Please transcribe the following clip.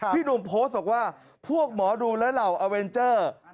พี่หนุ่มโพสต์บอกว่าพวกหมอดูและเหล่าอาเวนเจอร์